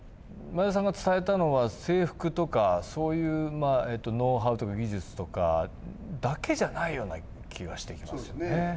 前田さんが伝えたのは制服とかそういうノウハウとか技術とかだけじゃないような気がしてきますよね。